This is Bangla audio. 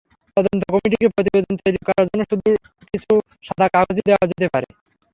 তদন্ত কমিটিকে প্রতিবেদন তৈরি করার জন্য শুধু কিছু সাদা কাগজই দেওয়া যেতে পারে।